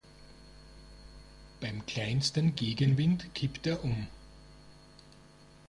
Beim kleinsten Gegenwind kippt er um.